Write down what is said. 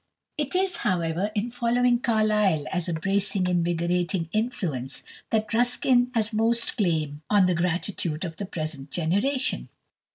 It is, however, in following Carlyle as a bracing, invigorating influence that Ruskin has most claim on the gratitude of the present generation.